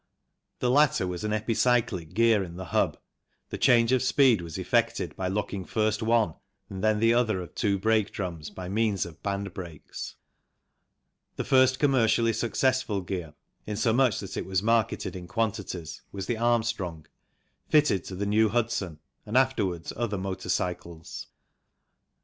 The latter was an epicyclic gear in the hub, the change of speed was effected by locking first one and then the other of two brake drums by means of band brakes. The first commercially successful gear, in so much that it was marketed in quantities, was the Armstrong, fitted to the New Hudson and afterwards other motor cycles.